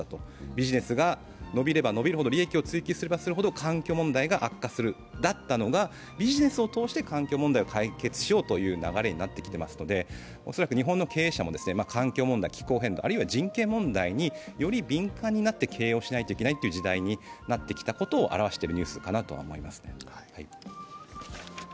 ビジネスが伸びれば伸びるほど、環境問題が悪化するということだったんですが、ビジネスを通して環境問題を解決しようという流れになっていますので恐らく日本の経営者も、環境問題、あるいは人権問題により敏感になって経営しなければいけない時代になってきたということを表しているニュースかなと思いますね。